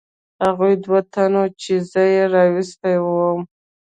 هغو دوو تنو چې زه یې راوستی ووم.